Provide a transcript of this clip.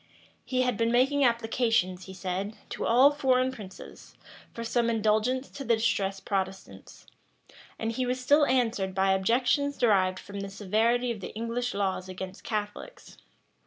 He had been making applications, he said, to all foreign princes, for some indulgence to the distressed Protestants; and he was still answered by objections derived from the severity of the English laws against Catholics.